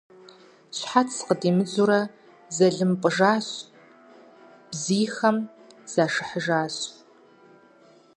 Щхьэц къыдимыдзурэ зэлымпӀыжащ, бзийхэм зашыхьыжащ.